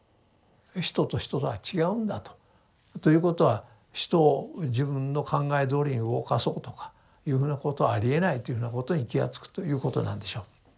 人と人とは違うんだと。ということは人を自分の考えどおりに動かそうとかいうふうなことはありえないというふうなことに気が付くということなんでしょう。